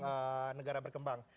untuk mata uang negara berkembang